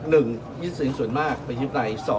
๑ยึดสินส่วนมากไปยึดใน